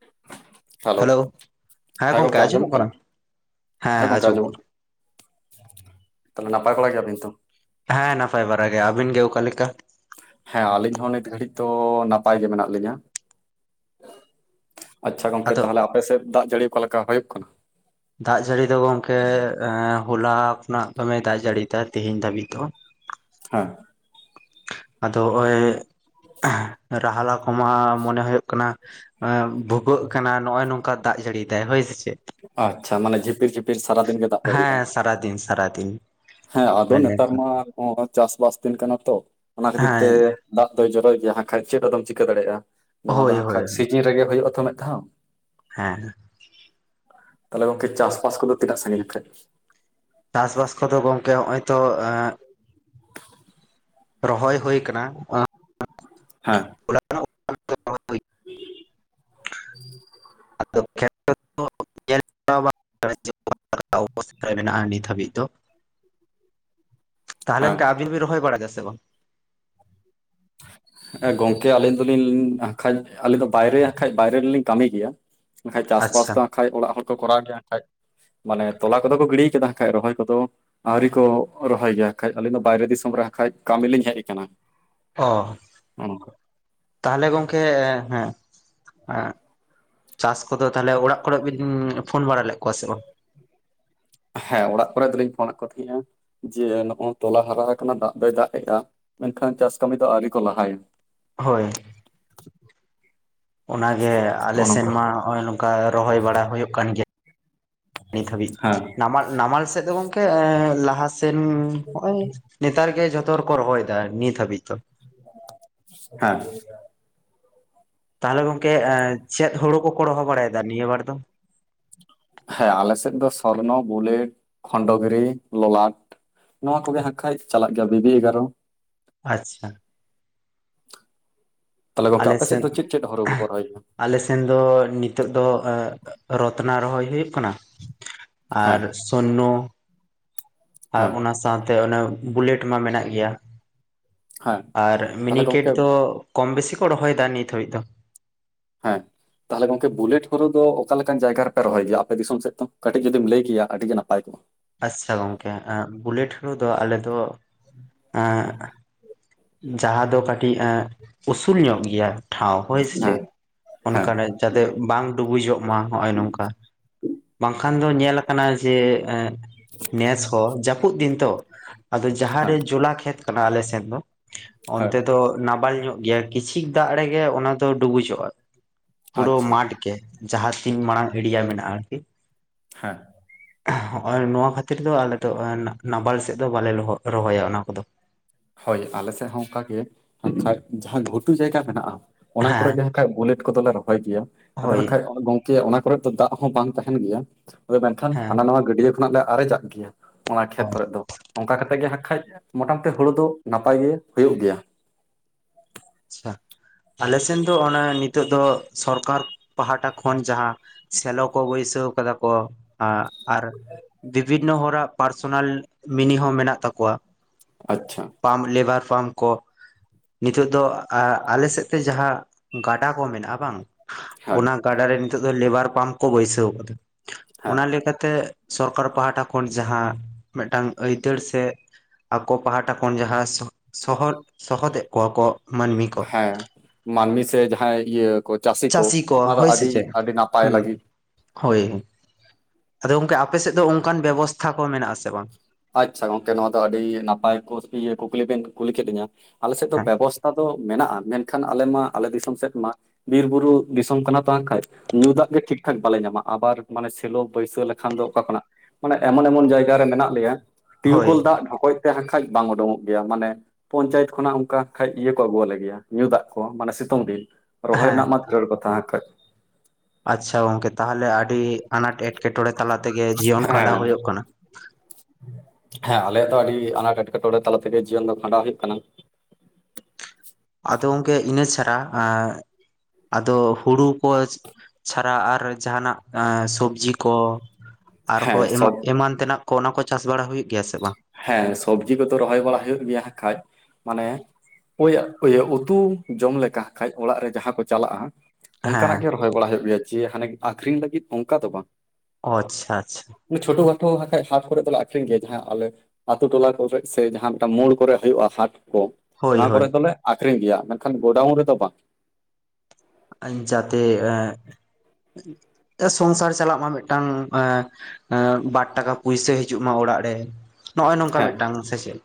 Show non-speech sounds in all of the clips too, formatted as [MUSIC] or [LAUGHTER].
[UNINTELLIGIBLE] Hello ᱦᱮᱸ ᱜᱚᱢᱠᱮ ᱟᱸᱡᱚᱢᱚᱜ ᱠᱟᱱᱟ? ᱦᱮᱸ ᱜᱚᱢᱠᱮ ᱟᱸᱡᱚᱢᱚᱜ ᱠᱟᱱᱟ᱾ ᱛᱟᱦᱚᱞᱮ ᱱᱟᱯᱟᱭ ᱵᱟᱲᱟ ᱜᱮᱭᱟᱵᱤᱱᱛᱚ? ᱦᱮᱸ ᱱᱟᱯᱟᱭ ᱵᱟᱲᱟᱜ ᱜᱮ᱾ ᱟᱹᱵᱤᱱ ᱜᱮ ᱚᱠᱟ ᱞᱮᱠᱟ? ᱦᱮᱸ ᱟᱹᱞᱤᱧ ᱦᱚᱸ ᱱᱤᱛ ᱜᱷᱟᱹᱲᱤᱡ ᱛᱚ ᱱᱟᱯᱟᱭ ᱜᱮ ᱢᱮᱱᱟᱜ ᱞᱤᱧᱟ᱾ ᱟᱪᱪᱷᱟ ᱜᱚᱝᱠᱮ ᱟᱫᱚ ᱛᱟᱦᱚᱞᱮ ᱟᱯᱮ ᱥᱮᱫ ᱫᱟᱜ ᱡᱟᱹᱲᱤ ᱚᱠᱟ ᱞᱮᱠᱟ ᱦᱩᱭᱩᱜ ᱠᱟᱱᱟ? ᱫᱟᱜ ᱡᱟᱹᱲᱤ ᱫᱚ ᱜᱚᱝᱠᱮ ᱮ ᱦᱚᱞᱟ ᱠᱷᱚᱱᱟᱜ ᱫᱚᱢᱮ ᱫᱟᱜ ᱡᱟᱹᱲᱤ ᱭᱮᱫᱟ ᱛᱮᱦᱮᱧ ᱫᱷᱟᱵᱤᱡ ᱫᱚ᱾ ᱦᱮᱸ ᱟᱫᱚ ᱚᱭ ᱨᱟᱦᱟᱞᱟ ᱠᱚᱢᱟ ᱢᱚᱱᱮ ᱦᱩᱭᱩᱜ ᱠᱟᱱᱟ, ᱮ ᱵᱷᱩᱜᱟᱹᱜ ᱠᱟᱱᱟ ᱱᱚᱜᱼᱚᱭ ᱱᱚᱝᱠᱟ ᱫᱟᱜ ᱡᱟᱹᱲᱤᱭ ᱫᱟᱭ ᱦᱳᱭ ᱥᱮ ᱪᱮᱜ ᱟᱪᱪᱷᱟ ᱢᱟᱱᱮ ᱡᱷᱤᱯᱤᱨ ᱡᱷᱤᱯᱤᱨ ᱥᱟᱨᱟᱫᱤᱱ ᱜᱮ ᱫᱟᱜ ᱦᱮᱸ ᱡᱟᱲᱹᱤᱭᱮᱫᱟᱭ ᱥᱟᱨᱟᱫᱤᱱ ᱥᱟᱨᱟᱫᱤᱱ ᱦᱮᱸ ᱟᱫᱚ ᱢᱮᱱ ᱱᱮᱛᱟᱨ ᱞᱮᱠᱷᱟᱱ ᱢᱟ ᱪᱟᱥᱵᱟᱥ ᱫᱤᱱ ᱠᱟᱱᱟ ᱛᱚ ᱚᱱᱟ ᱠᱷᱟᱹᱛᱤᱨ ᱛᱮ ᱦᱮᱸ ᱫᱟᱜ ᱫᱚᱭ ᱡᱚᱨᱚᱭ ᱜᱮᱭᱟ ᱦᱟᱜ ᱠᱷᱟᱡ ᱪᱮᱫ ᱟᱫᱚᱢ ᱪᱤᱠᱟᱹ ᱫᱟᱲᱮᱭᱟᱜᱼᱟ ᱱᱚᱣᱟ ᱫᱚ ᱦᱳᱭ ᱦᱟᱜ ᱦᱳᱭ ᱠᱷᱟᱡ ᱥᱤᱡᱤᱱ ᱨᱮᱜᱮ ᱦᱩᱭᱩᱜᱼᱟ ᱛᱚ ᱢᱤᱫ ᱫᱷᱟᱣ ᱦᱮᱸ ᱦᱮᱸ ᱛᱟᱦᱚᱞᱮ ᱜᱚᱝᱠᱮ ᱪᱟᱥᱵᱟᱥ ᱠᱚᱫᱚ ᱛᱤᱱᱟᱜ ᱥᱟᱹᱜᱤᱧ ᱱᱟᱜᱠᱷᱟᱡ ᱪᱟᱥᱵᱟᱥ ᱠᱚᱫᱚ ᱜᱚᱝᱠᱮ ᱦᱚᱜᱼᱚᱭ ᱛᱚ ᱨᱚᱦᱚᱭ ᱦᱩᱭ ᱟᱠᱟᱱᱟ ᱦᱮᱸ [INAUDIBLE] [INAUDIBLE] ᱚᱵᱚᱥᱛᱟ ᱢᱮᱱᱟᱜᱼᱟ ᱱᱤᱛ ᱦᱟᱹᱵᱤᱡ ᱫᱚ ᱛᱟᱦᱚᱞᱮ ᱦᱮᱸ ᱜᱚᱝᱠᱮ ᱟᱵᱤᱱ ᱵᱤᱱ ᱨᱚᱦᱚᱭ ᱵᱟᱲᱟᱭᱫᱟ ᱥᱮ ᱵᱟᱝ ᱮ ᱜᱚᱝᱠᱮ ᱟᱹᱞᱤᱧ ᱫᱚᱞᱤᱧ ᱦᱟᱜᱠᱷᱟᱡ ᱟᱞᱤᱧ ᱫᱚ ᱵᱟᱭᱨᱮ ᱦᱟᱜᱠᱷᱟᱡ ᱵᱟᱭᱨᱮ ᱨᱮᱞᱤᱧ ᱠᱟᱹᱢᱤ ᱜᱮᱭᱟ ᱠᱷᱟᱡ ᱪᱟᱥᱵᱟᱥ ᱟᱪᱪᱷᱟ ᱫᱚ ᱦᱟᱜᱠᱷᱟᱡ ᱚᱲᱟᱜ ᱦᱚᱲ ᱠᱚ ᱠᱚᱨᱟᱣ ᱜᱮᱭᱟ ᱦᱟᱜᱠᱷᱟᱡ ᱢᱟᱱᱮ ᱛᱚᱞᱟ ᱠᱚᱫᱚ ᱠᱚ ᱜᱤᱲᱤ ᱠᱟᱫᱟ ᱦᱟᱜᱠᱷᱟᱱ ᱨᱚᱦᱚᱭ ᱠᱚᱫᱚ ᱟᱹᱣᱨᱤ ᱠᱚ ᱨᱚᱦᱚᱭ ᱜᱮᱭᱟ ᱦᱟᱜᱠᱷᱟᱡ ᱟᱹᱞᱤᱧ ᱫᱚ ᱵᱟᱭᱨᱮ ᱫᱤᱥᱚᱢ ᱨᱮ ᱦᱟᱜᱠᱷᱟᱡ ᱠᱟᱹᱢᱤ ᱞᱤᱧ ᱦᱮᱡ ᱟᱠᱟᱱᱟ ᱚ ᱚ ᱛᱟᱦᱚᱞᱮ ᱜᱚᱝᱠᱮ ᱮᱜ ᱮᱜ ᱪᱟᱥ ᱠᱚᱫᱚ ᱛᱟᱦᱚᱞᱮ ᱚᱲᱟᱜ ᱠᱚᱨᱮ ᱵᱤᱱ ᱯᱷᱳᱱ ᱵᱟᱲᱟ ᱞᱮᱫ ᱠᱚᱣᱟ ᱥᱮ ᱵᱟᱝ ᱦᱮᱸ ᱚᱲᱟᱜ ᱠᱚᱨᱮ ᱫᱚᱞᱤᱧ ᱯᱷᱳᱱ ᱟᱫ ᱠᱚ ᱛᱟᱦᱮᱡ ᱟ ᱡᱮ ᱱᱚᱜᱼᱚᱭ ᱛᱚᱞᱟ ᱦᱟᱨᱟ ᱟᱠᱟᱱᱟ ᱫᱟᱜ ᱫᱚᱭ ᱫᱟᱜ ᱮᱜᱼᱟ ᱢᱮᱱᱠᱷᱟᱱ ᱪᱟᱥ ᱠᱟᱹᱢᱤ ᱫᱚ ᱟᱹᱣᱨᱤ ᱠᱚ ᱞᱟᱦᱟᱭᱟ ᱦᱳᱭ ᱚᱱᱟᱜᱮ ᱟᱞᱮ ᱱᱚᱜᱼᱚ ᱥᱮᱱ ᱱᱚᱝᱠᱟ ᱢᱟ ᱦᱚᱜᱼᱚᱭ ᱱᱚᱝᱠᱟ ᱨᱚᱦᱚᱭ ᱵᱟᱲᱟ ᱦᱩᱭᱩᱜ ᱠᱟᱱ ᱜᱮᱭᱟ ᱱᱤᱛ ᱦᱟᱹᱵᱤᱡ ᱦᱮᱸ ᱱᱟᱢᱟ ᱱᱟᱢᱟᱞ ᱥᱮᱫ ᱫᱚ ᱜᱚᱝᱠᱮ ᱮ ᱞᱟᱦᱟ ᱥᱮᱱ ᱦᱚᱜᱼᱚᱭ ᱱᱮᱛᱟᱨ ᱜᱮ ᱡᱷᱚᱛᱚ ᱨᱮᱠᱚ ᱨᱚᱦᱚᱭ ᱫᱟ ᱱᱤᱛ ᱦᱟᱹᱵᱤᱡ ᱫᱚ ᱦᱮᱸ ᱛᱟᱦᱚᱞᱮ ᱜᱚᱝᱠᱮ ᱮ ᱪᱮᱫ ᱦᱩᱲᱩ ᱠᱚᱠᱚ ᱨᱚᱦᱚ ᱵᱟᱲᱟᱭ ᱫᱟ ᱱᱤᱭᱟ ᱵᱟᱨ ᱫᱚ ᱦᱮᱸ ᱟᱞᱮ ᱥᱮᱫ ᱫᱚ ᱥᱚᱨᱱᱚ ᱵᱩᱞᱮᱴ ᱠᱷᱚᱱᱰᱚᱜᱤᱨᱤ ᱞᱚᱞᱟᱴ ᱱᱚᱣᱟ ᱠᱚᱜᱮ ᱦᱟᱜᱠᱷᱟᱡ ᱪᱟᱞᱟᱜ ᱜᱮᱭᱟ ᱵᱤᱵᱤ ᱮᱜᱟᱨᱚ ᱟᱪᱪᱷᱟ ᱛᱟᱦᱚᱞᱮ ᱜᱚᱝᱠᱮ ᱟᱯᱮ ᱥᱮᱫ ᱫᱚ ᱪᱮᱫ ᱪᱮᱫ ᱦᱚᱨᱩ ᱠᱚᱠᱚ ᱨᱚᱦᱚᱭ ᱜᱮᱭᱟ ᱟᱞᱮᱥᱮᱱ ᱫᱚ ᱱᱤᱛᱚᱜ ᱫᱚ ᱨᱚᱛᱱᱟ ᱨᱚᱦᱚᱭ ᱦᱩᱭᱩᱜ ᱠᱟᱱᱟ ᱟᱨ ᱦᱮᱸ ᱥᱚᱨᱱᱚ ᱟᱨ ᱦᱮᱸ ᱚᱱᱟᱥ ᱥᱟᱶᱛᱮ ᱚᱱᱮ ᱵᱩᱞᱮᱴ ᱢᱟ ᱢᱮᱱᱟᱜ ᱜᱮᱭᱟ ᱦᱮᱸ ᱟᱨ ᱛᱟᱦᱚᱞᱮ ᱢᱤᱱᱤᱠᱮᱴ ᱜᱚᱝᱠᱮ ᱫᱚ ᱠᱚᱢ ᱵᱮᱥᱤ ᱠᱚ ᱨᱚᱦᱚᱭ ᱫᱟ ᱱᱤᱛ ᱦᱟᱹᱵᱤᱡ ᱫᱚ ᱦᱮᱸ ᱛᱟᱦᱚᱞᱮ ᱜᱚᱝᱠᱮ ᱵᱩᱞᱮᱴ ᱦᱳᱲᱳ ᱫᱚ ᱚᱠᱟ ᱞᱮᱠᱟᱱ ᱡᱟᱭᱜᱟ ᱨᱮᱯᱮ ᱨᱚᱦᱚᱭ ᱜᱮᱭᱟ ᱟᱯᱮ ᱫᱤᱥᱚᱢ ᱥᱮᱫᱚ ᱠᱟᱹᱴᱤᱡ ᱡᱩᱫᱤᱢ ᱞᱟᱹᱭ ᱠᱮᱭᱟ ᱟᱹᱰᱤ ᱜᱮ ᱱᱟᱯᱟᱭ ᱠᱚᱜᱼᱟ ᱟᱪᱪᱷᱟ ᱜᱚᱝᱠᱮ ᱵᱩᱞᱮᱴ ᱦᱩᱲᱩ ᱫᱚ ᱟᱞᱮ ᱫᱚ ᱮᱜ ᱡᱟᱦᱟᱸ ᱫᱚ ᱠᱟᱹᱴᱤᱡ ᱮᱜ ᱩᱥᱩᱞ ᱧᱚᱜ ᱜᱮᱭᱟ ᱴᱷᱟᱶ ᱦᱳᱭ ᱥᱮ ᱦᱮᱸ ᱪᱮᱫ ᱚᱱᱠᱟ ᱨᱮ ᱦᱮᱸ ᱡᱟᱛᱮ ᱵᱟᱝ ᱰᱩᱵᱩᱡᱚᱜ ᱢᱟ ᱱᱚᱜᱼᱚᱭ ᱱᱚᱝᱠᱟ ᱵᱟᱝᱠᱷᱟᱱ ᱫᱚ ᱧᱮ ᱟᱠᱟᱱᱟ ᱡᱮ ᱮᱜ ᱱᱮᱥ ᱦᱚᱸ ᱡᱟᱹᱯᱩᱫ ᱫᱤᱱ ᱛᱚ ᱟᱫᱚ ᱡᱟᱦᱟᱸᱨᱮ ᱦᱮᱸ ᱡᱚᱞᱟ ᱠᱷᱮᱛ ᱠᱟᱱᱟ ᱟᱞᱮ ᱥᱮᱫ ᱫᱚ ᱦᱮᱸ ᱚᱱᱛᱮ ᱫᱚ ᱱᱟᱵᱟᱞ ᱧᱚᱜ ᱜᱮᱭᱟ ᱠᱤᱪᱷᱤᱠ ᱫᱟᱜ ᱨᱮᱜᱮ ᱚᱱᱟ ᱫᱚ ᱰᱩᱵᱩᱡᱚᱜᱼᱟ ᱯᱩᱲᱳ ᱟᱪᱪᱷᱟ ᱢᱟᱴᱷ ᱜᱮ ᱡᱟᱦᱟᱸ ᱛᱤᱱ ᱢᱟᱲᱟᱝ ᱮᱲᱤᱭᱟ ᱢᱮᱱᱟᱜᱼᱟ ᱟᱨᱠᱤ ᱦᱮᱸ ᱱᱚᱣᱟ ᱠᱷᱟᱹᱛᱤᱨ ᱫᱚ ᱟᱞᱮ ᱫᱚ ᱱᱟᱵᱟᱞ ᱥᱮᱫ ᱫᱚ ᱵᱟᱞᱮ ᱨᱚᱦᱚᱭᱟ ᱚᱱᱟ ᱠᱚᱫᱚ ᱦᱳᱭ ᱟᱞᱮ ᱥᱮᱫ ᱦᱚᱸ ᱚᱱᱠᱟ ᱜᱮ ᱡᱟᱦᱟᱸ ᱜᱷᱩᱴᱩ ᱡᱟᱭᱜᱟ ᱢᱮᱱᱟᱜᱼᱟ ᱚᱱᱟ ᱠᱚᱨᱮ ᱦᱮᱸ ᱡᱟᱦᱟᱸ ᱠᱷᱟᱡ ᱵᱩᱞᱮᱴ ᱠᱚᱫᱚᱞᱮ ᱨᱚᱦᱚᱭ ᱜᱮᱭᱟ ᱟᱫᱚ ᱦᱳᱭ ᱦᱟᱸᱜ ᱠᱷᱟᱡ ᱜᱚᱝᱼᱼ ᱚᱱᱟ ᱠᱚᱨᱮᱫ ᱫᱚ ᱫᱟᱜ ᱦᱚᱸ ᱵᱟᱝ ᱛᱟᱦᱮᱱ ᱜᱮᱭᱟ ᱟᱫᱚ ᱢᱮᱱᱠᱷᱟᱱ ᱦᱮᱸ ᱦᱟᱱᱟ ᱱᱟᱣᱟ ᱜᱟᱹᱰᱭᱟᱹ ᱠᱷᱚᱱᱟᱜ ᱞᱮ ᱟᱨᱮᱡᱟᱜ ᱜᱮᱭᱟ ᱚᱱᱟ ᱠᱷᱮᱛ ᱠᱚᱨᱮ ᱫᱚ ᱚᱱᱠᱟ ᱠᱟᱛᱮ ᱜᱮ ᱦᱟᱸᱜ ᱠᱷᱟᱡ ᱢᱚᱴᱟᱢᱩᱴᱤ ᱦᱩᱲᱩ ᱫᱚ ᱱᱟᱯᱟᱭ ᱜᱮ ᱦᱩᱭᱩᱜ ᱜᱮᱭᱟ ᱟᱪᱪᱷᱟ ᱟᱞᱮ ᱥᱮᱱ ᱫᱚ ᱚᱱᱟ ᱱᱤᱛᱚᱜ ᱫᱚ ᱥᱚᱨᱠᱟᱨ ᱯᱟᱦᱴᱟ ᱠᱷᱚᱱ ᱡᱟᱦᱟᱸ ᱥᱮᱞᱚ ᱠᱚ ᱵᱟᱹᱭᱥᱟᱹᱣ ᱠᱟᱫᱟ ᱠᱚ ᱟᱨ ᱵᱤᱵᱷᱤᱱᱱᱚ ᱦᱚᱲᱟᱜ ᱯᱟᱨᱥᱚᱱᱟᱞ ᱢᱤᱱᱤ ᱦᱚᱸ ᱢᱮᱱᱟᱜ ᱛᱟᱠᱚᱣᱟ ᱟᱪᱪᱷᱟ ᱯᱟᱢᱯ ᱞᱮᱵᱟᱨ ᱯᱟᱢᱯ ᱠᱚ ᱱᱤᱛᱚᱜ ᱫᱚ ᱟᱞᱮ ᱥᱮᱫ ᱛᱮ ᱡᱟᱦᱟᱸ ᱜᱟᱰᱟ ᱠᱚ ᱢᱮᱱᱟᱜᱼᱟ ᱵᱟᱝ ᱦᱮᱸ ᱚᱱᱟ ᱜᱟᱰᱟ ᱨᱮ ᱱᱤᱛᱚᱜ ᱫᱚ ᱞᱮᱵᱟᱨ ᱯᱟᱢᱯ ᱠᱚ ᱵᱟᱹᱭᱥᱟᱹᱣ ᱟᱠᱟᱫᱟ ᱦᱮᱸ ᱚᱱᱟ ᱞᱮᱠᱟᱛᱮ ᱛᱮ ᱥᱚᱨᱠᱟᱨ ᱯᱟᱦᱴᱟ ᱠᱷᱚᱱ ᱡᱟᱦᱟᱸ ᱢᱤᱫᱴᱟᱝ ᱟᱹᱭᱫᱟᱹᱨ ᱥᱮ ᱟᱠᱚ ᱯᱟᱦᱴᱟ ᱠᱷᱚᱱ ᱡᱟᱦᱟᱸ ᱥᱚᱦᱚᱫ ᱥᱚᱦᱚᱫᱮᱫ ᱠᱚᱣᱟ ᱠᱚ ᱢᱟᱹᱱᱢᱤ ᱠᱚ ᱦᱮᱸ ᱢᱟᱱᱢᱤ ᱥᱮ ᱡᱟᱦᱟᱸᱭ ᱤᱭᱟᱹ ᱠᱚ ᱪᱟᱹᱥᱤ ᱠᱚ ᱚᱱᱟ ᱫᱚ ᱦᱳᱭ ᱥᱮ ᱟᱹᱰᱤ ᱪᱮᱫ ᱟᱹᱰᱤ ᱱᱟᱯᱟᱭ ᱦᱩᱸ ᱞᱟᱹᱜᱤᱫ ᱦᱳᱭ ᱟᱫᱚ ᱜᱚᱝᱠᱮ ᱟᱯᱮ ᱥᱮᱫ ᱫᱚ ᱚᱱᱠᱟᱱ ᱵᱮᱵᱚᱥᱛᱷᱟ ᱠᱚ ᱢᱮᱱᱟᱜᱼᱟ ᱥᱮ ᱵᱟᱝ? ᱟᱪᱪᱷᱟ ᱜᱚᱝᱠᱮ ᱱᱚᱣᱟ ᱫᱚ ᱟᱹᱰᱤ ᱱᱟᱯᱟᱭ ᱠᱚ ᱠᱩᱠᱞᱤ ᱵᱮᱱ ᱠᱩᱞᱤ ᱠᱮᱫ ᱞᱤᱧᱟ ᱟᱞᱮ ᱥᱮᱫ ᱫᱚ ᱦᱮᱸ ᱵᱮᱵᱚᱥᱛᱷᱟ ᱫᱚ ᱢᱮᱱᱟᱜᱼᱟ ᱢᱮᱱᱠᱷᱟᱱ ᱟᱞᱮ ᱢᱟ ᱟᱞᱮ ᱫᱤᱥᱚᱢ ᱥᱮᱫ ᱢᱟ ᱵᱤᱨ ᱵᱩᱨᱩ ᱫᱤᱥᱚᱢ ᱠᱟᱱᱟ ᱵᱟᱝ ᱠᱷᱟᱡ ᱧᱩ ᱫᱟᱜ ᱜᱮ ᱴᱷᱤᱠ ᱴᱷᱟᱠ ᱵᱟᱞᱮ ᱧᱟᱢᱟ ᱟᱵᱟᱨ ᱢᱟᱱᱮ ᱥᱮᱞᱳ ᱵᱟᱹᱭᱥᱟᱹᱣ ᱞᱮᱠᱷᱟᱱ ᱫᱚ ᱚᱠᱟ ᱠᱷᱚᱱᱟᱜ ᱢᱟᱱᱮ ᱮᱢᱚᱱ ᱮᱢᱚᱱ ᱡᱟᱭᱜᱟ‌ ᱨᱮ ᱢᱮᱱᱟᱜ ᱞᱮᱭᱟ ᱦᱳᱭ ᱴᱤᱭᱩᱠᱚᱞ ᱫᱟᱜ ᱰᱷᱚᱠᱚᱡ ᱛᱮ ᱦᱟᱠᱷᱟᱡ ᱵᱟᱝ ᱩᱰᱩᱠᱚᱜ ᱜᱮᱭᱟ ᱢᱟᱱᱮ ᱯᱚᱧᱪᱟᱭᱮᱛ ᱠᱷᱚᱱᱟᱜ ᱚᱱᱠᱟ ᱠᱷᱟᱱ ᱤᱭᱟᱹ ᱠᱚ ᱟᱹᱜᱩᱣᱟᱞᱮ ᱜᱮᱭᱟ ᱧᱩ ᱫᱟᱜ ᱠᱚ ᱢᱟᱱᱮ ᱥᱤᱛᱩᱝ ᱫᱤᱱ ᱨᱚᱦᱚᱭ ᱦᱮᱸ ᱨᱮᱱᱟᱜ ᱢᱟ ᱠᱷᱟᱹᱲ ᱠᱚ ᱛᱟᱦᱮᱸ ᱟᱠᱟᱫ ᱟᱪᱪᱷᱟ ᱜᱚᱝᱠᱮ ᱛᱟᱦᱚᱞᱮ ᱟᱹᱰᱤ ᱟᱱᱟᱴ ᱮᱴᱠᱮᱴᱚᱬᱮ ᱛᱟᱞᱟ ᱛᱮᱜᱮ ᱡᱤᱭᱚᱱ ᱠᱷᱟᱸᱰᱟᱣ ᱦᱮᱸ ᱦᱩᱭᱩᱜ ᱠᱟᱱᱟ ᱦᱮᱸ ᱟᱞᱮᱭᱟᱜ ᱫᱚ ᱟᱹᱰᱤ ᱟᱱᱟᱴ ᱮᱴᱠᱮᱴᱚᱬᱮ ᱛᱟᱞᱟ ᱛᱮᱜᱮ ᱡᱤᱭᱚᱱ ᱫᱚ ᱠᱷᱟᱸᱰᱟᱣ ᱦᱩᱭᱩᱜ ᱠᱟᱱᱟ ᱟᱫᱚ ᱜᱚᱝᱠᱮ ᱤᱱᱟᱹ ᱪᱷᱟᱲᱟ ᱟᱫᱚ ᱦᱩᱲᱩ ᱠᱚ ᱪᱷᱟᱲᱟ ᱟᱨ ᱡᱟᱦᱟᱱᱟᱜ ᱥᱚᱵᱡᱤ ᱠᱚᱼᱼ ᱦᱮᱸ ᱟᱨᱦᱚᱸ ᱮᱢ ᱥᱚᱵ ᱮᱢᱟᱱ ᱛᱮᱱᱟᱜ ᱠᱚ ᱚᱱᱟ ᱠᱚ ᱪᱟᱥ ᱵᱟᱲᱟ ᱦᱩᱭᱩᱜ ᱜᱮᱭᱟ ᱥᱮ ᱵᱟᱝ? ᱦᱮᱸ ᱥᱚᱵᱡᱤ ᱠᱚᱫᱚ ᱨᱚᱦᱚᱭ ᱵᱟᱲᱟ ᱦᱩᱭᱩᱜ ᱜᱮᱭᱟ ᱦ ᱠᱷᱟᱡ ᱢᱟᱱᱮᱼᱼ ᱚᱠᱚᱭᱟᱜ ᱩᱛᱩ ᱡᱚᱢ ᱞᱮᱠᱟ ᱠᱷᱟᱱ ᱚᱲᱟᱜ ᱨᱮ ᱡᱟᱦᱟᱸ ᱠᱚ ᱪᱟᱞᱟᱜᱼᱟ᱾ ᱦᱮᱸ ᱚᱱᱠᱟᱱᱟᱜ ᱜᱮ ᱨᱚᱦᱚᱭ ᱵᱟᱲᱟ ᱦᱩᱭᱩᱜ ᱜᱮᱭᱟ ᱡᱮ ᱦᱟᱱᱮ ᱟᱠᱷᱨᱤᱧ ᱞᱟᱹᱜᱤᱫ ᱚᱱᱠᱟ ᱫᱚ ᱵᱟᱝ, ᱚ ᱟᱪᱪᱷᱟ ᱟᱪᱪᱷᱟ ᱷᱳᱴᱳ ᱜᱷᱟᱴ ᱵᱟᱟᱱᱡ ᱦᱟᱴ ᱠᱚᱨᱮ ᱫᱚᱞᱮ ᱟᱠᱷᱨᱤᱧ ᱜᱮᱭᱟ᱾ ᱡᱟᱦᱟᱸ ᱟᱞᱮ ᱟᱛᱳ ᱴᱚᱞᱟ ᱠᱚᱨᱮ ᱥᱮ ᱡᱟᱦᱟᱸ ᱢᱤᱫᱴᱟᱝ ᱢᱳᱲ ᱠᱚᱨᱮ ᱦᱩᱭᱩᱜᱼᱟ ᱦᱟᱴ ᱠᱚ ᱦᱳᱭ ᱱᱚᱣᱟ ᱦᱳᱭ ᱠᱚᱨᱮ ᱫᱚᱞᱮᱼᱼ ᱟᱠᱷᱨᱤᱧ ᱜᱮᱭᱟ ᱢᱮᱱ ᱠᱷᱟᱱ ᱜᱳᱰᱟᱣᱩᱱ ᱨᱮᱫᱚ ᱵᱟᱝ, ᱡᱟᱛᱮ ᱥᱚᱝᱥᱟᱨ ᱪᱟᱞᱟᱜ ᱢᱟ ᱢᱤᱫᱴᱟᱝ ᱮᱼᱼ ᱮ ᱵᱟᱨ ᱴᱟᱠᱟ ᱯᱩᱭᱥᱟᱹ ᱦᱤᱡᱩᱜ ᱢᱟ ᱚᱲᱟᱜ ᱨᱮᱼᱼ ᱱᱚᱜᱼᱚᱭ ᱱᱚᱝᱠᱟ ᱦᱮᱸ ᱢᱤᱫᱴᱟᱝ ᱥᱮᱪᱮᱫ᱾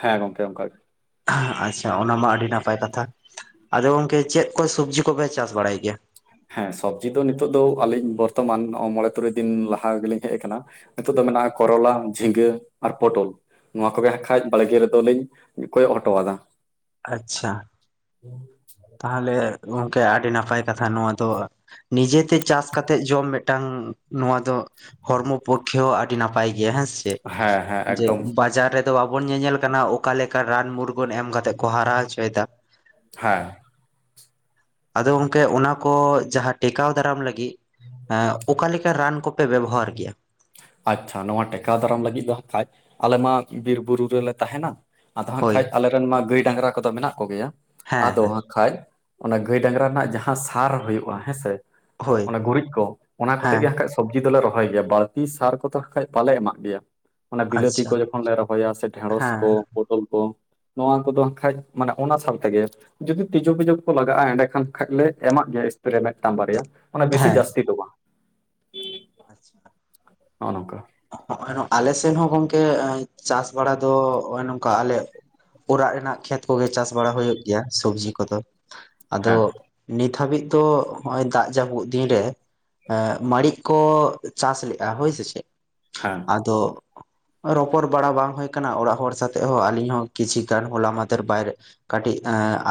ᱦᱮᱸ ᱜᱚᱝᱠᱮ ᱚᱱᱠᱟ ᱜᱮ ᱟᱪᱪᱷᱟ ᱚᱱᱟ ᱢᱟ ᱟᱹᱰᱤ ᱱᱟᱯᱟᱭ ᱠᱟᱛᱷᱟ ᱟᱫᱚ ᱜᱚᱝᱠᱮ ᱪᱮᱫ ᱠᱚ ᱥᱚᱵᱡᱤᱼᱼ ᱠᱚᱯᱮ ᱪᱟᱥ ᱵᱟᱲᱟᱭ ᱜᱮᱭᱟ, ᱦᱮᱸ ᱥᱚᱵᱽᱡᱤ ᱫᱚ ᱱᱤᱛᱚᱜ ᱫᱚ ᱟᱹᱞᱤᱧ ᱵᱚᱨᱛᱚᱢᱟᱱ ᱢᱚᱬᱮ ᱛᱩᱨᱩᱭ ᱫᱤᱱ ᱞᱟᱦᱟ ᱜᱮᱞᱤᱧ ᱦᱮᱡ ᱟᱠᱟᱱᱟ᱾ ᱱᱤᱛᱚᱜ ᱫᱚ ᱢᱮᱱᱟᱜᱼᱟ ᱠᱚᱨᱚᱞᱟ ᱡᱷᱤᱸᱜᱟᱹ ᱟᱨ ᱯᱚᱴᱚᱞ ᱱᱚᱣᱟ ᱠᱚᱜᱮ ᱠᱷᱷᱟᱡ ᱵᱟᱲᱜᱮ ᱨᱮᱫᱚ ᱚᱞᱤᱧ ᱠᱚᱭ ᱦᱚᱴᱚ ᱟᱫᱟ, ᱟᱪᱪᱷᱟ᱾ ᱦᱮᱸ [INAUDIBLE] ᱛᱟᱦᱚᱞᱮ ᱜᱚᱝᱠᱮ ᱟᱹᱰᱤ ᱱᱟᱯᱟᱭ ᱠᱟᱛᱷᱟ ᱱᱚᱣᱟ ᱫᱚ᱾ ᱱᱤᱡᱮ ᱛᱮ ᱪᱟᱥ ᱠᱟᱛᱮᱜ ᱡᱚᱢ ᱢᱤᱫᱴᱟᱝ ᱱᱚᱣᱟ ᱫᱚ ᱾ ᱦᱚᱲᱢᱚ ᱯᱚᱠᱠᱷᱮ ᱦᱚᱸ ᱟᱹᱰᱤ ᱱᱟᱯᱟᱭ ᱜᱮᱭᱟ ᱦᱮᱸᱥᱮ ᱦᱮᱸ ᱦᱮᱸ ᱡᱮ ᱮᱠᱫᱚᱢ ᱵᱟᱡᱟᱨ ᱨᱮ ᱾ ᱫᱚ ᱵᱟᱵᱚᱱ ᱧᱮᱧᱮᱞ ᱠᱟᱱᱟ ᱚᱠᱟ ᱞᱮᱠᱟ ᱨᱟᱱ ᱢᱩᱨᱜᱟᱹᱱ ᱮᱢ ᱠᱟᱛᱮᱫ ᱠᱚ ᱦᱟᱨᱟ ᱦᱚᱪᱚᱭᱮᱫᱟ ᱾ ᱦᱮᱸ᱾ ᱟᱫᱚ ᱜᱚᱝᱠᱮ ᱚᱱᱟ ᱠᱚ ᱡᱟᱦᱟᱸ ᱴᱮᱠᱟᱣ ᱫᱟᱨᱟᱢ ᱞᱟᱹᱜᱤᱫ ᱚᱠᱟ ᱞᱮᱠᱟ ᱨᱟᱱ ᱠᱚ ᱾ ᱯᱮ ᱵᱮᱵᱚᱦᱟᱨ ᱜᱮᱭᱟ ᱾ ᱟᱪᱷᱟ ᱱᱚᱣᱟ ᱴᱮᱠᱟᱣ ᱫᱟᱨᱟᱢ ᱞᱟᱹᱜᱤᱫ ᱫᱚ ᱦᱟᱸᱜ ᱠᱷᱟᱱ ᱟᱞᱮ ᱢᱟ ᱵᱤᱨ ᱵᱩᱨᱩ ᱨᱮᱞᱮ ᱛᱟᱸᱦᱮᱱᱟ ᱾ ᱟᱫᱚ ᱦᱟᱸᱜ ᱦᱳᱭ ᱠᱷᱟᱡ ᱟᱞᱮᱨᱮᱱ ᱢᱟ ᱜᱟᱹᱭ ᱰᱟᱝᱨᱟ ᱠᱚ ᱫᱚ ᱢᱮᱱᱟᱜ ᱠᱚᱜᱮᱭᱟ ᱦᱮᱸ ᱟᱫᱚ ᱦᱮᱸ ᱦᱟᱸᱜ ᱠᱷᱟᱡ ᱾ ᱚᱱᱟ ᱜᱟᱹᱭ ᱰᱟᱝᱨᱟ ᱨᱮᱱᱟᱜ ᱡᱟᱦᱟᱸ ᱥᱟᱨ ᱦᱩᱭᱩᱜᱼᱟ ᱦᱮᱸᱥᱮ ᱦᱳᱭ ᱚᱱᱟ ᱜᱩᱨᱤᱡ ᱠᱚ ᱚᱱᱟ ᱠᱚᱛᱮ ᱦᱮᱸ ᱜᱮ ᱦᱟᱜ ᱾ ᱥᱚᱵᱽᱡᱤ ᱫᱚ ᱞᱮ ᱨᱚᱦᱚᱭ ᱜᱮᱭᱟ᱾ᱵᱟᱹᱲᱛᱤ ᱥᱟᱨ ᱠᱚᱛ ᱞᱮ ᱠᱷᱟᱡ ᱵᱟᱞᱮ ᱮᱢᱟᱜ ᱜᱮᱭᱟ ᱾ ᱚᱱᱟ ᱵᱤᱞᱟᱹᱛᱤ ᱟᱪᱪᱷᱟ ᱠᱚ ᱡᱚᱠᱷᱚᱱ ᱞᱮ ᱨᱚᱦᱚᱭᱟ ᱥᱮ ᱰᱷᱮᱸᱲᱚᱥ ᱠᱚ ᱦᱮᱸ ᱯᱚᱴᱚᱞ ᱠᱚ ᱾ ᱱᱚᱣᱟ ᱠᱚᱫᱚ ᱦᱠᱷᱟᱡ ᱢᱟᱱᱮ ᱚᱱᱟ ᱥᱟᱶᱞ ᱛᱮᱜᱮᱼᱼ ᱡᱩᱫᱤ ᱛᱤᱡᱩ ᱯᱤᱡᱩ ᱠᱚ ᱞᱟᱜᱟᱜᱼᱟ ᱮᱸᱰᱮ ᱠᱷᱟᱱ ᱠᱷᱟᱱᱡ ᱞᱮ ᱮᱢᱟᱜ ᱢᱮᱭᱟ ᱥᱯᱨᱮ ᱢᱤᱫᱴᱟᱝ ᱵᱟᱨᱭᱟ᱾ ᱚᱱᱟ ᱵᱤᱥᱤ ᱡᱟᱹᱥᱛᱤ ᱫᱚᱚᱜ ᱵᱟᱝᱼᱟ, ᱟᱪᱪᱷᱟ ᱾ ᱦᱚ ᱱᱚᱝᱠᱟ ᱾ ᱟᱞᱮ ᱥᱮᱫ ᱦᱚᱸ ᱜᱚᱝᱠᱮ ᱪᱟᱥ ᱵᱟᱲᱟ ᱫᱚ ᱱᱚᱜ ᱱᱚᱝᱠᱟ ᱟᱞᱮ ᱾ ᱚᱲᱟᱜ ᱨᱮᱱᱟᱜ ᱠᱷᱮᱛ ᱠᱚᱜᱮ ᱪᱟᱥ ᱵᱟᱲᱟ ᱦᱩᱭᱩᱜ ᱜᱮᱭᱟ ᱥᱚᱵᱽᱡᱤ ᱠᱚᱫᱚ ᱟᱫᱚ ᱦᱮᱸ ᱾ ᱱᱤᱛ ᱦᱟᱹᱵᱤᱡ ᱫᱚ ᱱᱚᱜ ᱚᱭ ᱫᱟᱜ ᱡᱟᱹᱯᱩᱫ ᱫᱤᱱ ᱨᱮ ᱾ ᱢᱟᱹᱲᱤᱡ ᱠᱚ ᱪᱟᱥ ᱞᱮᱫᱼᱟ ᱦᱳᱹᱭ ᱥᱮ ᱪᱮᱫ ᱦᱮᱸ ᱟᱫᱚ ᱾ ᱨᱚᱯᱚᱲ ᱵᱟᱲᱟ ᱵᱟᱝ ᱦᱩᱭ ᱠᱟᱱᱟ ᱚᱲᱟᱜ ᱦᱚᱲ ᱥᱟᱛᱮᱜ ᱦᱚᱸ ᱟᱹᱞᱤᱧ ᱦᱚᱸ ᱠᱤᱪᱷᱩ ᱜᱟᱱ ᱦᱚᱞᱟ ᱢᱟ ᱫᱷᱮᱨ ᱵᱟᱭ ᱠᱟᱹᱴᱤᱡ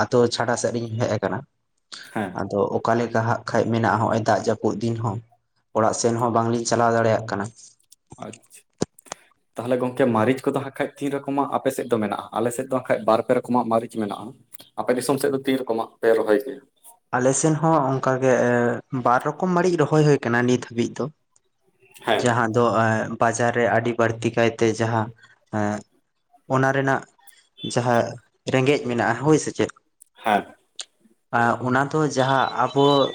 ᱟᱛᱳ ᱪᱷᱟᱰᱟ ᱥᱮᱫ ᱨᱤᱧ ᱦᱮᱡ ᱟᱠᱟᱱᱟ ᱾ ᱦᱮᱸ᱾ ᱟᱫᱚ ᱚᱠᱟ ᱞᱮᱠᱟ ᱦᱟᱜ ᱠᱷᱟᱡ ᱢᱮᱱᱟᱜᱼᱟ ᱱᱚᱜ ᱚᱭ ᱫᱟᱜ ᱡᱟᱹᱯᱩᱫ ᱫᱤᱱ ᱦᱚᱸ ᱾ ᱚᱲᱟᱜ ᱥᱮᱱ ᱦᱚᱸ ᱵᱟᱝᱞᱤᱧ ᱪᱟᱞᱟᱣ ᱫᱟᱲᱮᱭᱟᱜ ᱠᱟᱱᱟ ᱾ ᱟᱪᱪᱷᱟ ᱛᱟᱦᱚᱞᱮ ᱜᱚᱝᱠᱮ ᱢᱟᱨᱤᱡ ᱠᱚ ᱫᱚ ᱦᱟᱸᱜ ᱠᱷᱟᱡ ᱛᱤᱱ ᱨᱚᱠᱚ ᱢᱟᱜ ᱟᱯᱮ ᱥᱮᱫ ᱫᱚ ᱢᱮᱱᱟᱜᱼᱟ ᱟᱞᱮ ᱥᱮᱫ ᱫᱚ ᱠᱷᱟᱡ ᱵᱟᱨ ᱯᱮ ᱨᱚᱠᱚ ᱢᱟᱜ ᱢᱟᱹᱨᱤᱪ ᱢᱮᱱᱟᱜᱼᱟ ᱾ ᱟᱯᱮ ᱫᱤᱥᱚᱢ ᱥᱮᱫ ᱫᱚ ᱛᱤᱱ ᱨᱚᱠᱚ ᱢᱟᱜ ᱯᱮ ᱨᱚᱦᱚᱭ ᱠᱮᱭᱟ ᱾ ᱟᱞᱮ ᱥᱮᱱ ᱦᱚᱸ ᱚᱱᱠᱟ ᱜᱮ ᱵᱟᱨ ᱨᱚᱠᱚᱢ ᱢᱟᱹᱲᱤᱡ ᱨᱚᱦᱚᱭ ᱦᱩᱭᱳ ᱟᱠᱟᱱᱟ ᱱᱤᱛ ᱦᱟᱹᱵᱤᱡ ᱫᱚ ᱾ ᱦᱮᱸ ᱡᱟᱦᱟᱸ ᱫᱚ ᱵᱟᱡᱟᱨ ᱨᱮ ᱟᱹᱰᱤ ᱵᱟᱹᱲᱛᱤ ᱠᱟᱭᱛᱮ ᱡᱟᱦᱟᱸ ᱦᱮᱸ ᱾ ᱚᱱᱟ ᱨᱮᱱᱟᱜ ᱡᱟᱦᱟᱸ ᱨᱮᱸᱜᱮᱡ ᱢᱮᱱᱟᱜᱼᱟ ᱦᱳᱹᱭ ᱥᱮ ᱪᱮᱫ ᱾ ᱦᱮᱸ᱾ ᱚᱱᱟ ᱫᱚ ᱡᱟᱦᱟᱸ ᱟᱵᱚ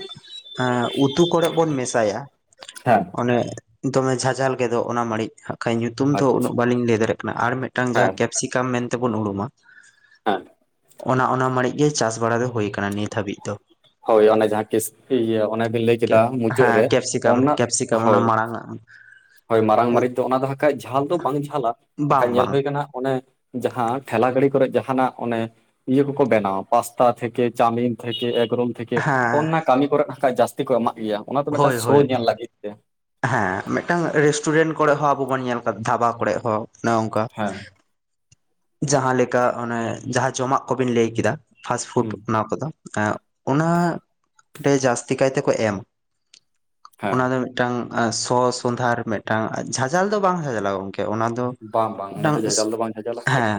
ᱦᱮᱸ ᱩᱛᱩ ᱠᱚᱨᱮ ᱵᱚᱱ ᱢᱮᱥᱟᱭᱟ᱾ ᱦᱮᱸ ᱚᱱᱮ ᱫᱚᱢᱮ ᱡᱷᱟᱡᱷᱟᱞ ᱜᱮ ᱫᱚᱜ ᱚᱱᱟ ᱢᱟᱹᱲᱤᱡ ᱦᱟᱠᱷᱚᱡ ᱧᱩᱛᱩᱢ ᱫᱚ ᱟᱪᱪᱷᱟ ᱩᱱᱟᱹᱜ ᱵᱟᱹᱞᱤᱧ ᱞᱟᱹᱭ ᱫᱟᱲᱮᱭᱟᱜ ᱠᱟᱱᱟ ᱟᱨ ᱢᱤᱫᱴᱟᱝ ᱡᱟᱦᱟᱸ ᱦᱮᱸ ᱠᱮᱯ ᱾ ᱥᱤᱠᱟᱢ ᱢᱮᱱ ᱛᱮ ᱵᱚᱱ ᱩᱨᱩᱢᱟ ᱾ ᱦᱮᱸ᱾ ᱚᱱᱟ ᱚᱱᱟ ᱢᱟᱹᱨᱤᱡ ᱜᱮ ᱪᱟᱥ ᱵᱟᱲᱟ ᱫᱚ ᱦᱳᱹᱭ ᱟᱠᱟᱱᱟ ᱱᱤᱛ ᱦᱟᱹᱵᱤᱡ ᱫᱚ ᱾ ᱦᱳᱹᱭ ᱚᱱᱮ ᱡᱟᱦᱟᱸ ᱠᱤᱥ ᱤᱭᱟᱹ ᱚᱱᱮ ᱵᱮᱱ ᱞᱟᱹᱭ ᱠᱮᱫᱟ ᱢᱩᱪᱟᱹᱫ ᱦᱮᱸ ᱨᱮ ᱠᱮᱯᱥᱤᱠᱟᱢ ᱚᱱᱟ ᱠᱮᱯᱥᱤᱠᱟᱢ ᱚᱱᱟ ᱦᱳᱹᱭ ᱢᱟᱲᱟᱝ ᱟᱜ ᱾ ᱦᱳᱹᱭ ᱢᱟᱨᱟᱝ ᱢᱟᱹᱨᱤᱪ ᱫᱚ ᱚᱱᱟ ᱫᱚ ᱦᱟᱜ ᱠᱷᱟᱡ ᱡᱷᱟᱞ ᱫᱚ ᱵᱟᱝ ᱡᱷᱟᱞᱟᱼᱟ ᱵᱟᱠᱷᱟᱡ ᱵᱟᱝ ᱧᱮᱞ ᱵᱟᱝ ᱦᱩᱭ ᱠᱟᱱᱟ ᱚᱱᱮ ᱾ ᱡᱟᱦᱟᱸ ᱴᱷᱮᱞᱟ ᱜᱟᱹᱲᱤ ᱠᱚᱨᱮ ᱡᱟᱦᱟ ᱱᱟᱜ ᱚᱱᱮ ᱤᱭᱟᱹ ᱠᱚᱠᱚ ᱵᱮᱱᱟᱣ ᱯᱟᱥᱛᱟᱷ ᱛᱷᱮᱠᱮ ᱪᱟᱣᱢᱤᱱ ᱛᱷᱮᱠᱮ ᱮᱠᱨᱳᱢ ᱾ ᱛᱷᱮᱠᱮ ᱦᱮᱸ ᱚᱱᱱᱟ ᱠᱟᱹᱢᱤ ᱠᱚᱨᱮ ᱠᱷᱟᱡ ᱡᱟᱹᱥᱛᱤ ᱠᱚ ᱮᱢᱟᱜ ᱜᱮᱭᱟ ᱚᱱᱟ ᱫᱚ ᱢᱤᱫᱴᱟᱝ ᱦᱳᱭ ᱦᱳᱭ ᱥᱳ ᱧᱮᱞ ᱞᱟᱹᱜᱤᱫ ᱛᱮ ᱾ ᱦᱮᱸ ᱢᱤᱫᱴᱟᱝ ᱨᱮᱥᱴᱩᱨᱮᱱᱴ ᱠᱚᱨᱮ ᱦᱚᱸ ᱟᱵᱚ ᱵᱚᱱ ᱧᱮᱞ ᱟᱠᱟᱫᱟ ᱫᱷᱟᱵᱟ ᱠᱚᱨᱮ ᱦᱚᱸ ᱾ ᱚᱱᱮ ᱚᱝᱠᱟ ᱦᱮᱸ ᱡᱟᱦᱟᱸᱞᱮᱠᱟ ᱚᱱᱮ ᱡᱟᱦᱟᱸ ᱡᱚᱢᱟᱜ ᱠᱚ ᱵᱤᱱ ᱞᱟᱹᱭ ᱠᱮᱫᱟ ᱾ ᱯᱷᱟᱥᱴ ᱯᱷᱩᱰ ᱦᱩᱸ ᱚᱱᱟ ᱠᱚ ᱫᱚ ᱾ ᱚᱱᱟ ᱨᱮ ᱡᱟᱹᱥᱛᱤ ᱠᱟᱭ ᱛᱮᱠᱚ ᱮᱢᱟ ᱦᱮᱸ ᱚᱱᱟ ᱫᱚ ᱾ ᱢᱤᱫᱴᱟᱝ ᱥᱚ ᱥᱚᱸᱫᱷᱟᱨ ᱢᱤᱫᱴᱟᱝ ᱡᱷᱟᱡᱟᱞ ᱫᱚ ᱵᱟᱝ ᱡᱷᱟᱡᱟᱞᱟ ᱜᱚᱢᱠᱮ ᱚᱱᱟ ᱾ ᱟᱫᱚ ᱵᱟᱝ ᱵᱟᱝ ᱚᱱᱟ ᱢᱤᱫᱴᱟᱝ ᱫᱚ ᱡᱷᱟᱡᱟᱞ ᱫᱚ ᱵᱟᱝ ᱡᱷᱟᱡᱟᱞᱟ ᱦᱟᱸᱠᱷᱟᱡ ᱦᱮᱸ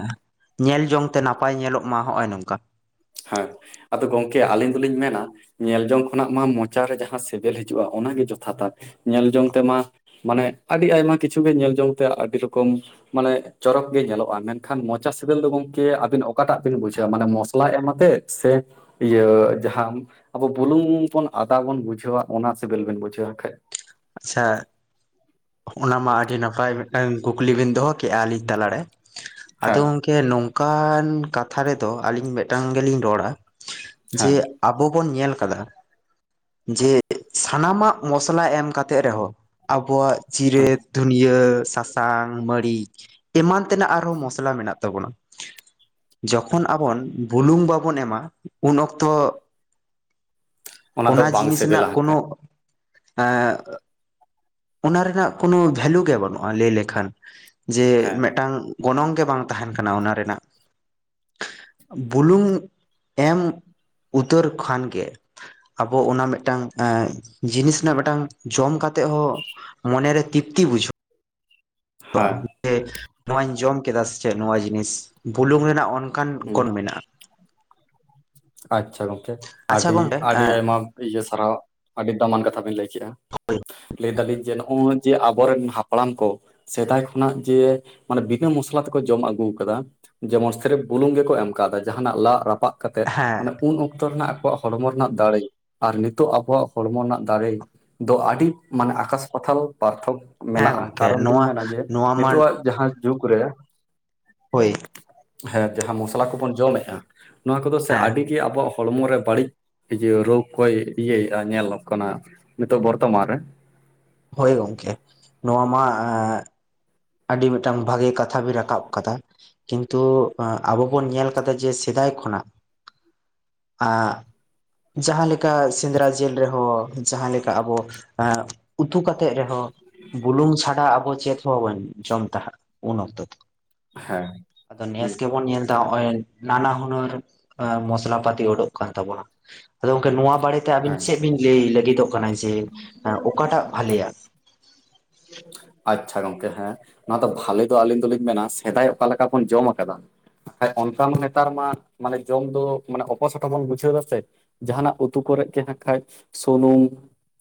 ᱧᱮᱞ ᱡᱚᱝ ᱛᱮ ᱱᱟᱯᱟᱭ ᱧᱮᱞᱚᱜ ᱢᱟ ᱦᱚᱜᱼᱚᱭ ᱱᱚᱝᱠᱟ ᱾ ᱦᱮᱸ ᱟᱫᱚ ᱜᱚᱢᱠᱮ ᱟᱹᱞᱤᱧ ᱫᱚᱞᱤᱧ ᱢᱮᱱᱟ ᱧᱮᱞ ᱡᱚᱝ ᱠᱷᱚᱱᱟᱜ ᱢᱟ ᱢᱚᱪᱟ ᱨᱮ ᱡᱟᱦᱟᱸ ᱥᱮᱹᱵᱮᱹᱞ ᱦᱤᱡᱩᱜᱼᱟ ᱚᱱᱟᱜᱮ ᱡᱚᱛᱷᱟᱛᱟ ᱧᱮᱞ ᱡᱚᱝ ᱛᱮᱢᱟ ᱢᱟᱱᱮ ᱟᱹᱰᱤ ᱟᱭᱢᱟ ᱠᱤᱪᱷᱩ ᱜᱮ ᱧᱮᱞ ᱡᱚᱝ ᱛᱮ ᱟᱹᱰᱤ ᱨᱚᱠᱚᱢ ᱢᱟᱱᱮ ᱪᱚᱨᱚᱠ ᱜᱮ ᱧᱮᱞᱚᱜᱼᱟ ᱢᱮᱱᱠᱷᱟᱱ ᱢᱚᱪᱟ ᱥᱤᱸᱵᱤᱞ ᱫᱚ ᱜᱚᱝᱠᱮ ᱟᱹᱵᱤᱱ ᱚᱠᱟᱴᱟᱜ ᱵᱤᱱ ᱵᱩᱡᱷᱟᱹᱣᱟ ᱢᱟᱱᱮ ᱢᱚᱥᱞᱟ [UNINTELLIGIBLE] ᱮᱢ ᱟᱛᱮᱜ ᱥᱮ ᱤᱭᱟᱹ ᱡᱟᱦᱟᱸ ᱟᱵᱚ ᱵᱩᱞᱩᱝ ᱵᱚᱱ ᱟᱫᱟ ᱵᱚᱱ ᱵᱩᱡᱷᱟᱹᱣᱟ ᱚᱱᱟ ᱥᱤᱵᱤᱞ ᱵᱤᱱ ᱵᱩᱡᱷᱟᱹᱣᱟ ᱠᱷᱟᱱᱡ ᱟᱪᱪᱷᱟ ᱚᱱᱟᱢᱟ ᱟᱹᱰᱤ ᱱᱟᱯᱟᱭ ᱢᱤᱫᱴᱮᱱ ᱠᱩᱠᱞᱤ ᱵᱤᱱ ᱫᱚᱦᱚ ᱠᱮᱫᱼᱟ ᱟᱹᱞᱤᱧ ᱛᱟᱞᱟ ᱨᱮ ᱟᱫᱚ ᱦᱮᱸ ᱜᱚᱝᱠᱮ ᱱᱚᱝᱠᱟᱱ ᱠᱟᱛᱷᱟ ᱨᱮᱫᱚ ᱟᱞᱤᱧ ᱢᱤᱫᱴᱟᱝ ᱜᱮᱞᱤᱧ ᱨᱚᱲᱟ ᱡᱮ ᱦᱮᱸ ᱟᱵᱚ ᱵᱚᱱ ᱧᱮᱞ ᱠᱟᱫᱟ ᱡᱮ ᱥᱟᱱᱟᱢᱟᱜ ᱢᱚᱥᱞᱟ ᱮᱢ ᱠᱟᱛᱮᱜ ᱨᱮᱦᱚᱸ ᱟᱵᱚᱣᱟᱜ ᱦᱮᱸ ᱡᱤᱨᱮᱫ ᱫᱷᱩᱱᱤᱭᱟᱹ ᱥᱟᱥᱟᱝ ᱥᱟᱥᱟᱝ ᱢᱟᱹᱨᱤᱪ ᱮᱢᱟᱱ ᱛᱮᱱᱟᱜ ᱟᱨᱦᱚᱸ ᱢᱚᱥᱞᱟ ᱢᱮᱱᱟᱜ ᱛᱟᱵᱚᱱᱟ ᱾ ᱡᱚᱠᱷᱚᱱ ᱟᱵᱚᱱ ᱵᱩᱞᱩᱝ ᱵᱟᱵᱚᱱ ᱮᱢᱟ ᱩᱱ ᱚᱠᱛᱚ ᱾ ᱫᱚ ᱚᱱᱟ ᱵᱟᱝ ᱡᱤᱱᱤᱥ ᱨᱮᱱᱟᱜ ᱥᱤᱵᱤᱞᱟ ᱠᱳᱱᱳ ᱦᱟᱸᱠᱷᱟᱡ ᱮ ᱾ ᱚᱱᱟ ᱨᱮᱱᱟᱜ ᱠᱳᱱᱳ ᱵᱷᱮᱞᱩ ᱜᱮ ᱵᱟᱹᱱᱩᱜᱼᱟ ᱞᱟᱹᱭ ᱞᱮᱠᱷᱟᱱ ᱡᱮ ᱦᱮᱸ ᱢᱤᱫᱴᱟᱝ ᱾ ᱜᱚᱱᱚᱝ ᱜᱮ ᱵᱟᱝ ᱛᱟᱦᱮᱱ ᱠᱟᱱᱟ ᱚᱱᱟ ᱨᱮᱱᱟᱜ ᱵᱩᱞᱩᱝ ᱮᱢ ᱩᱛᱟᱹᱨ ᱠᱷᱟᱱ ᱜᱮ ᱟᱵᱚ ᱚᱱᱟ ᱢᱤᱫᱴᱟᱝ ᱡᱤᱱᱤᱥ ᱨᱮᱱᱟᱜ ᱢᱤᱫᱴᱟᱝ ᱡᱚᱢ ᱠᱟᱛᱮᱜ ᱦᱚᱸ ᱢᱚᱱᱮᱨᱮ ᱛᱤᱯᱛᱤ ᱵᱩᱡᱩᱜ ᱦᱮᱸ ᱡᱮ ᱱᱚᱣᱟᱧ ᱡᱚᱢ ᱠᱮᱫᱟ ᱥᱮ ᱪᱮᱫ ᱱᱚᱣᱟ ᱡᱤᱱᱤᱥ ᱵᱩᱞᱩᱝ ᱨᱮᱱᱟᱜ ᱚᱱᱟ ᱚᱱᱠᱟᱱ ᱦᱩᱸ ᱜᱩᱱ ᱢᱮᱱᱟᱜᱼᱟ ᱟᱪᱪᱷᱟ ᱜᱚᱝᱠᱮ ᱟᱪᱪᱷᱟ ᱟᱹᱰᱤ ᱜᱚᱝᱠᱮ ᱟᱹᱰᱤ ᱮᱸ ᱟᱭᱢᱟ ᱤᱭᱟᱹ ᱥᱟᱨᱦᱟᱣ ᱟᱹᱰᱤ ᱫᱟᱢᱟᱱ ᱠᱟᱛᱷᱟ ᱵᱤᱱ ᱞᱟᱹᱭ ᱠᱮᱫᱼᱟ᱾ ᱞᱟᱹᱭ ᱫᱟᱞᱤᱧ ᱡᱮ ᱱᱚᱜᱼᱚᱭ ᱡᱮ ᱟᱵᱚᱨᱮᱱ ᱦᱟᱯᱲᱟᱢ ᱠᱚ ᱥᱮᱫᱟᱭ ᱠᱷᱚᱱᱟᱜ ᱡᱮ ᱢᱟᱱᱮ ᱵᱤᱜᱟᱹ ᱢᱚᱥᱞᱟ ᱛᱮᱠᱚ ᱡᱚᱢ ᱟᱹᱜᱩ ᱠᱟᱫᱟ᱾ ᱡᱮᱢᱚᱱ ᱥᱨᱮᱯ ᱵᱩᱞᱩᱝ ᱜᱮᱠᱚ ᱮᱢ ᱠᱟᱣᱫᱟ ᱡᱟᱦᱟᱱᱟᱜ ᱞᱟᱜ ᱨᱟᱯᱟᱜ ᱠᱟᱛᱮᱫ ᱦᱮᱸ ᱢᱟᱱᱮ ᱩᱱ ᱚᱠᱛᱚ ᱨᱮᱱᱟᱜ ᱟᱠᱚᱣᱟᱜ ᱦᱚᱲᱢᱚ ᱨᱮᱱᱟᱜ ᱫᱟᱲᱮ ᱟᱨ ᱱᱤᱛᱚᱜ ᱟᱵᱚᱣᱟᱜ ᱦᱚᱲᱢᱚ ᱨᱮᱱᱟᱜ ᱫᱟᱲᱮ ᱫᱚ ᱟᱹᱰᱤ ᱢᱟᱱᱮ ᱟᱠᱟᱥ ᱯᱟᱛᱟᱞ ᱯᱟᱨᱛᱷᱚᱠᱠᱚ ᱦᱮᱸ ᱢᱮᱱᱟᱜᱼᱟ ᱜᱚᱝᱠᱮ ᱠᱟᱨᱚᱱ ᱫᱩᱧ ᱱᱚᱣᱟ ᱢᱮᱱᱟ ᱡᱮ ᱱᱚᱣᱟ ᱢᱟ ᱱᱤᱛᱟᱹᱜ ᱟᱜ ᱡᱟᱦᱟᱸ ᱡᱩᱜᱽ ᱨᱮ ᱦᱳᱭ ᱦᱮᱸ ᱡᱟᱦᱟᱸ ᱢᱚᱥᱞᱟ ᱠᱚᱵᱚᱱ ᱡᱚᱢᱮᱜᱼᱟ ᱱᱚᱣᱟ ᱠᱚᱫᱚ ᱥᱮ ᱦᱮᱸ ᱟᱹᱰᱤ ᱜᱮ ᱟᱵᱚᱣᱟᱜ ᱦᱚᱲᱢᱚ ᱨᱮ ᱵᱟᱹᱲᱤᱡ ᱤᱭᱟᱹ ᱨᱳᱜᱽ ᱠᱚᱭ ᱤᱭᱟᱹᱭᱮᱫᱼᱟ ᱧᱮᱞᱚᱜ ᱠᱟᱱᱟ ᱱᱤᱛᱚᱜ ᱵᱚᱨᱛᱚᱢᱟᱱ ᱨᱮ ᱦᱳᱭ ᱜᱚᱢᱠᱮ ᱱᱚᱣᱟ ᱢᱟ ᱟᱹᱰᱤ ᱢᱤᱫᱴᱟᱝ ᱵᱷᱟᱜᱮ ᱠᱟᱛᱷᱟ ᱵᱤᱱ ᱨᱟᱠᱟᱵ ᱟᱠᱟᱫᱟ᱾ ᱠᱤᱱᱛᱩ ᱟᱵᱚ ᱵᱚᱱ ᱧᱮᱞ ᱠᱟᱫᱟ ᱡᱮ ᱥᱮᱫᱟᱭ ᱠᱷᱚᱱᱟᱜ ᱡᱟᱦᱟᱸ ᱞᱮᱠᱟ ᱥᱮᱸᱫᱽᱨᱟ ᱡᱤᱞ ᱨᱮᱦᱚᱸ ᱡᱟᱦᱟᱸ ᱞᱮᱠᱟ ᱟᱵᱚ ᱩᱛᱩ ᱠᱟᱛᱮᱫ ᱨᱮᱦᱚᱸ ᱵᱩᱞᱩᱝ ᱪᱷᱟᱰᱟ ᱟᱵᱚ ᱪᱮᱫ ᱦᱚᱸ ᱵᱟᱱᱩᱜ ᱡᱚᱢ ᱛᱟᱦᱮᱫ ᱩᱱ ᱚᱠᱛᱚ ᱫᱚ ᱦᱮᱸ ᱟᱫᱚ ᱱᱮᱥ ᱜᱮᱵᱚᱱ ᱧᱮᱞ ᱱᱟᱱᱟ ᱦᱩᱱᱟᱹᱨ ᱢᱚᱥᱞᱟ ᱯᱟᱹᱛᱤ ᱩᱰᱩᱠ ᱠᱟᱱ ᱛᱟᱵᱚᱱᱟ ᱟᱫᱚ ᱜᱚᱝᱠᱮ ᱱᱚᱣᱟ ᱵᱟᱨᱮᱛᱮ ᱛᱮ ᱟᱵᱤᱱ ᱦᱮᱸ ᱪᱮᱫ ᱵᱤᱱ ᱞᱟᱹᱭ ᱞᱟᱹᱜᱤᱫᱚᱜ ᱠᱟᱱᱟ ᱡᱮ ᱚᱠᱟᱴᱟᱜ ᱵᱷᱟᱞᱮᱭᱟ ᱟᱪᱪᱷᱟ ᱜᱚᱝᱠᱮ ᱦᱮᱸ ᱱᱚᱣᱟ ᱫᱚ ᱵᱷᱟᱞᱮ ᱫᱚ ᱟᱹᱞᱤᱧ ᱫᱚ ᱞᱤᱧ ᱢᱮᱱᱟ ᱥᱮᱫᱟᱭ ᱚᱠᱟ ᱞᱮᱠᱟ ᱵᱚᱱ ᱡᱚᱢ ᱟᱠᱟᱫᱟ ᱚᱱᱠᱟ ᱢᱟ ᱱᱮᱛᱟᱨ ᱢᱟ ᱢᱟᱱᱮ ᱡᱚᱢ ᱫᱚ ᱢᱟᱱᱮ ᱚᱯᱚᱥᱚᱴᱚ ᱵᱚᱱ ᱵᱩᱡᱷᱟᱹᱣ ᱮᱫᱟ ᱥᱮ ᱡᱟᱦᱟᱱᱟᱜ ᱩᱛᱩ ᱠᱚᱨᱮᱜ ᱜᱮ ᱦᱟᱸᱜ ᱠᱷᱟᱡ ᱥᱩᱱᱩᱢ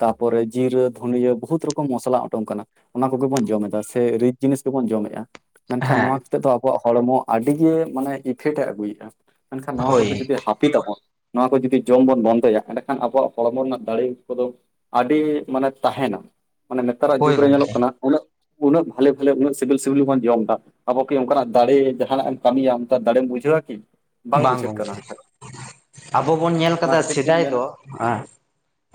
ᱛᱟᱯᱚᱨᱮ ᱡᱤᱨᱟᱹ ᱫᱷᱩᱱᱤᱭᱟᱹ ᱵᱚᱦᱩᱛ ᱨᱚᱠᱚᱢ ᱢᱚᱥᱞᱟ ᱚᱸᱰᱚᱝ ᱠᱟᱱᱟ᱾ ᱚᱱᱟ ᱠᱚᱜᱮ ᱵᱚᱱ ᱡᱚᱢ ᱮᱫᱟ ᱥᱮ ᱨᱤᱪ ᱡᱤᱱᱤᱥ ᱜᱮᱵᱚᱱ ᱡᱚᱢᱮᱫᱼᱟ ᱢᱮᱱᱠᱷᱟᱱ ᱦᱮᱸ ᱱᱚᱣᱟ ᱛᱮᱫ ᱫᱚ ᱟᱵᱚᱣᱟᱜ ᱦᱚᱲᱢᱚ ᱟᱹᱰᱤ ᱜᱮ ᱢᱟᱱᱮ ᱤᱯᱷᱮᱠᱴ ᱮ ᱟᱹᱜᱩᱭᱮᱫᱼᱟ ᱢᱮᱱᱠᱷᱟᱱ ᱱᱚᱣᱟ ᱦᱳᱭ ᱠᱚᱫᱚ ᱡᱩᱫᱤ ᱦᱟᱹᱯᱤᱫ ᱟᱵᱚᱱ ᱱᱚᱣᱟ ᱠᱚ ᱡᱩᱫᱤ ᱡᱚᱢ ᱵᱚᱱ ᱵᱚᱱᱫᱚᱭᱟ ᱮᱸᱰᱮᱠᱷᱟᱱ ᱟᱵᱚᱣᱟᱜ ᱦᱚᱲᱢᱚ ᱨᱮᱱᱟᱜ ᱫᱟᱲᱮ ᱠᱚᱫᱚ ᱟᱹᱰᱤ ᱢᱟᱱᱮ ᱛᱟᱦᱮᱱᱟ, ᱢᱟᱱᱮ ᱱᱮᱛᱟᱨᱟᱜ ᱦᱳᱭ ᱡᱩᱜᱽᱨᱮ ᱧᱮᱞᱚᱜ ᱠᱟᱱᱟ ᱩᱱᱟᱹᱜ ᱩᱱᱟᱹᱜ ᱵᱷᱟᱞᱮ ᱵᱷᱟᱞᱮ ᱩᱱᱟᱹᱜ ᱥᱤᱵᱤᱞ ᱥᱤᱵᱤᱞ ᱵᱚᱱ ᱡᱚᱢ ᱫᱟ᱾ ᱟᱵᱚ ᱠᱤ ᱚᱱᱠᱟᱱᱟᱜ ᱫᱟᱲᱮ ᱡᱟᱦᱱᱟᱜ ᱮᱢ ᱠᱟᱢᱤᱭᱟ ᱚᱱᱠᱟ ᱫᱟᱲᱮᱢ ᱵᱩᱡᱷᱟᱹᱣᱟ ᱠᱤ? ᱵᱟᱝ ᱵᱩᱡᱷᱟᱹᱜ ᱠᱟᱱᱟ ᱜᱚᱝᱠᱮ, ᱦᱟᱸᱜ ᱠᱷᱟᱡ ᱟᱵᱚ ᱵᱚᱱ ᱧᱮᱞ ᱚᱱᱟ ᱠᱟᱫᱟ ᱠᱷᱟᱹᱛᱤᱨ ᱛᱤᱧ ᱥᱮᱫᱟᱭ ᱢᱮᱱᱟ ᱫᱚ᱾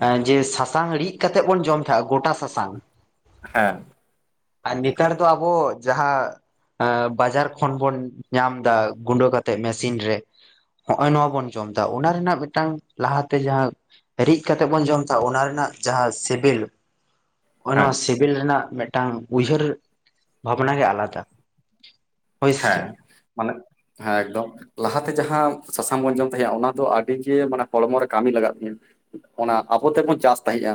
ᱦᱮᱸ ᱡᱮ ᱥᱟᱥᱟᱝ ᱨᱤᱫ ᱠᱟᱛᱮᱜ ᱵᱚᱱ ᱡᱚᱢ ᱛᱟᱦᱮᱜᱼᱟ ᱜᱚᱴᱟ ᱥᱟᱥᱟᱝ᱾ ᱦᱮᱸ ᱟᱨ ᱱᱮᱛᱟᱨ ᱫᱚ ᱟᱵᱚ ᱡᱟᱦᱟᱸ ᱦᱮ ᱵᱟᱡᱟᱨ ᱠᱷᱚᱱ ᱵᱚᱱ ᱧᱟᱢ ᱫᱟ ᱜᱩᱰᱟᱹ ᱠᱟᱛᱮᱫ ᱢᱮᱥᱤᱱ ᱨᱮ᱾ ᱦᱚᱜᱼᱚᱭ ᱱᱚᱣᱟ ᱵᱚᱱ ᱡᱚᱢ ᱫᱟ ᱚᱱᱟ ᱨᱮᱱᱟᱜ ᱢᱤᱫᱴᱟᱝ ᱞᱟᱦᱟᱛᱮ ᱡᱟᱦᱟᱸ ᱨᱤᱜ ᱠᱟᱛᱮ ᱵᱚᱱ ᱡᱚᱢ ᱛᱟᱦᱮ ᱚᱱᱟ ᱨᱮᱱᱟᱜ ᱡᱟᱦᱟᱸ ᱥᱮᱵᱮᱞ ᱦᱚᱜᱼᱚᱭ ᱦᱮᱸ ᱱᱚᱣᱟ ᱥᱮᱵᱮᱞ ᱨᱮᱱᱟᱜ ᱢᱮᱫᱴᱟᱝ, ᱩᱭᱦᱟᱹᱨ ᱵᱷᱟᱵᱽᱱᱟ ᱜᱮ ᱟᱞᱟᱫᱟ᱾ ᱦᱳᱭ ᱥᱮ ᱦᱮᱸ ᱪᱮᱫ ᱢᱟᱱᱮ ᱦᱮᱸ ᱮᱠᱫᱚᱢ᱾ ᱞᱟᱦᱟᱛᱮ ᱡᱟᱦᱟᱸ ᱥᱟᱥᱟᱝ ᱵᱚᱱ ᱢᱚᱡ ᱛᱟᱦᱮᱼᱟ ᱚᱱᱟ ᱫᱚ ᱟᱰᱤᱜᱮ ᱢᱟᱱᱮ ᱦᱚᱲᱢᱚ ᱨᱮ ᱠᱟᱢᱤ ᱞᱟᱜᱟᱜ ᱛᱤᱧᱟ᱾ ᱚᱱᱟ ᱟᱵᱚ ᱛᱮᱵᱚᱱ ᱪᱟᱥ ᱛᱟᱦᱮᱸᱫᱼᱟ